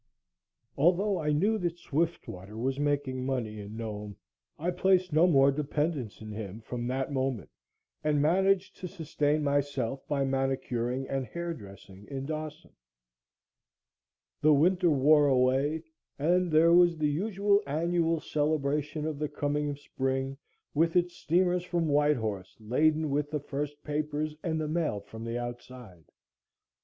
Although I knew that Swiftwater was making money in Nome, I placed no more dependence in him from that moment and managed to sustain myself by manicuring and hairdressing in Dawson. The winter wore away, and there was the usual annual celebration of the coming of spring with its steamers from White Horse laden with the first papers and the mail from the outside.